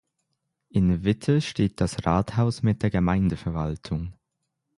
In Vitte steht das Rathaus mit der Gemeindeverwaltung.